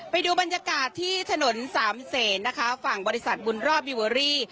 ไปดูบรรยากาศที่ถนนสามเศษนะคะฝั่งบริษัทบุญรอบวิเวอรี่